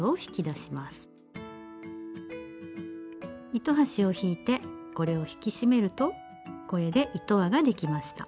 糸端を引いてこれを引き締めるとこれで糸輪ができました。